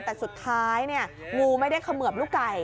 แต่สุดท้ายงูไม่ได้เขมือบลูกไก่